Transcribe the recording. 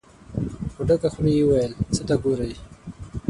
په ډکه خوله يې وويل: څه ته ګورئ؟